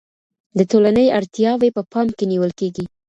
د ټولني اړتياوې په پام کي نیول کيږي.